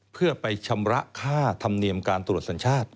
เพื่อไปชำระค่าธรรมเนียมการตรวจสัญชาติ